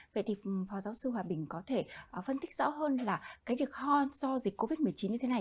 vậy thì phó giáo sư hòa bình có thể phân tích rõ hơn là cái việc ho do dịch covid một mươi chín như thế này